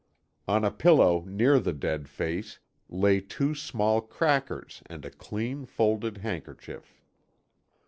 On a pillow, near the dead face, lay two small crackers and a clean, folded handkerchief.